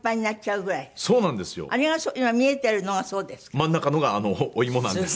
真ん中のがお芋なんです。